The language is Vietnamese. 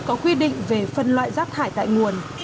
có quy định về phân loại rác thải tại nguồn